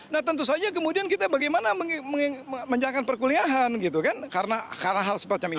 nah tentu saja kemudian kita bagaimana menjalankan perkuliahan gitu kan karena hal semacam ini